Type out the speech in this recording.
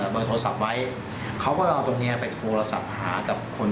ก็แถมปล่าวเพื่อให้ตัดสับกลาย